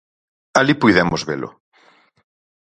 Alí puidemos velo.